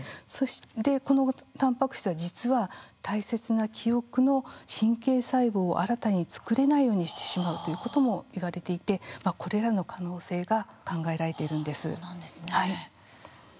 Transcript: でこのタンパク質が実は大切な記憶の神経細胞を新たに作れないようにしてしまうということもいわれていてこれらの可能性が考えられているんです。